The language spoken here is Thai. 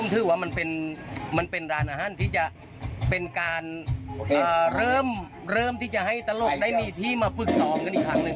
มันคือว่ามันเป็นมันเป็นร้านอาหารที่จะเป็นการเริ่มเริ่มที่จะให้ตะโลกได้มีที่มาฝึกสองกันอีกครั้งหนึ่ง